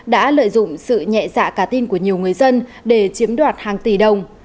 đã lợi dụng sự nhẹ dạ cả tin của nhiều người dân để chiếm đoạt hàng tỷ đồng